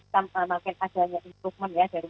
semakin adanya improvement ya dari